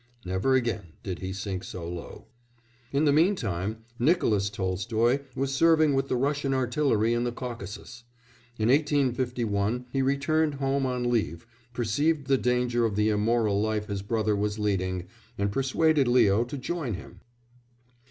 Never again did he sink so low. In the meantime Nicolas Tolstoy was serving with the Russian artillery in the Caucasus; in 1851 he returned home on leave, perceived the danger of the immoral life his brother was leading, and persuaded Leo to join him.